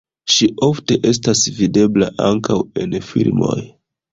Ŝi ofte estas videbla ankaŭ en filmoj.